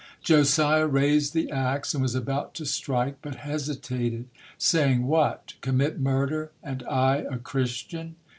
Josiah raised the ax and was about to strike, but hesitated, saying, "What, commit murder, and I a Christian?"